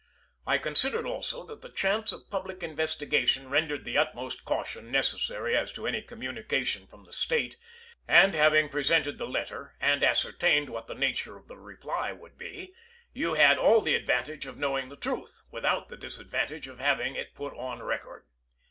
I considered, also, that the chance of public investigation rendered the utmost caution necessary as to any communications from the State, and having presented the letter, and ascertained what the nature of the reply would be, you had all the advantage of knowing the truth, without the disadvantage of having it put on record.